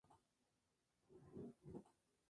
Wang Jing es soltero y vive en Pekín.